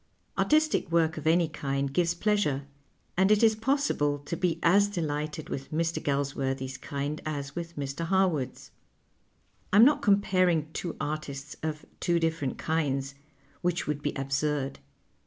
Artistic work of any kind gives j)leasure, and it is possible to be as delighted with Mr. Galsworthy's kind as with Mr. Ilarwood's. I am not eomj)aring two artists of two different kinds, wjiieh would be absurd.